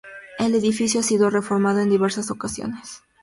El edificio ha sido reformado en diversas ocasiones.